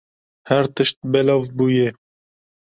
Her tişt belav bûye.